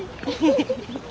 フフフ。